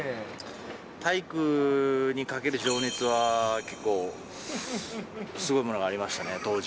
体育にかける情熱は結構すごいものがありましたね、当時。